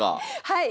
はい。